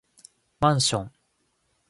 マンション